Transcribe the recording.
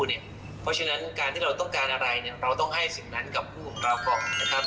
เพราะฉะนั้นการที่เราต้องการอะไรเราต้องให้สิ่งนั้นกับผู้ของเราก่อนนะครับ